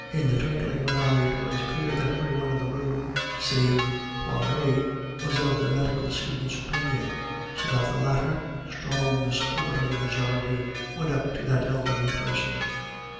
In the twinkling of an eye it was clear that every one in the room, save Poiret, was of the medical student's opinion, so that the latter, strong in the support of the majority, went up to that elderly person.